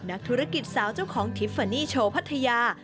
นักธุรกิจสาวเจ้าของทิฟฟานี่โชว์พัทยา